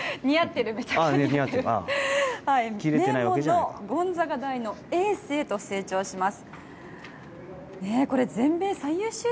そして名門のゴンザガ大学のエースへと成長します。